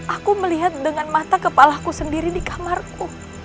aku melihat dengan mata kepalaku sendiri di kamarku